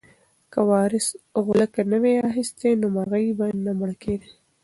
که وارث غولکه نه وای راخیستې نو مرغۍ به نه مړه کېده.